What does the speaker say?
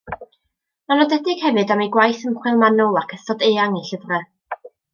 Mae'n nodedig hefyd am ei gwaith ymchwil manwl ac ystod eang ei llyfrau.